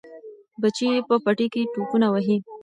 بچي یې په پټي کې ټوپونه وهي.